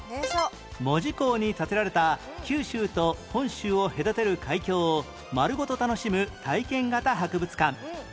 門司港に建てられた九州と本州を隔てる海峡を丸ごと楽しむ体験型博物館